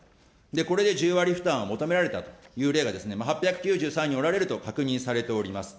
これで１０割負担を求められたという例が８９３人おられると確認されております。